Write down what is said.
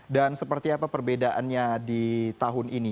dan seperti apa perbedaannya di tahun ini